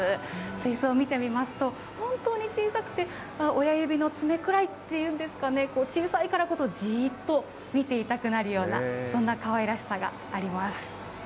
水槽を見てみますと、本当に小さくて、親指の爪くらいっていうんですかね、小さいからこそじっと見ていたくなるような、そんなかわいらしさがあります。